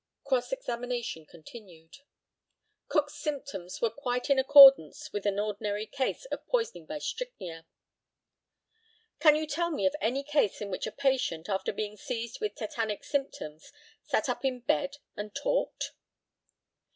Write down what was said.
Cross examination continued: Cook's symptoms were quite in accordance with an ordinary case of poisoning by strychnia. Can you tell me of any case in which a patient, after being seized with tetanic symptoms, sat up in bed and talked?